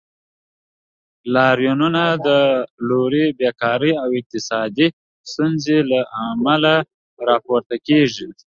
لاریونونه د لوړې بیکارۍ او اقتصادي ستونزو له امله راپورته شوي.